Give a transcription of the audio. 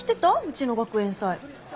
うちの学園祭。